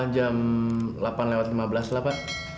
jam delapan lewat lima belas lah pak